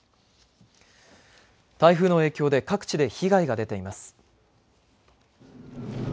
台風の影響で各地で被害が出ています。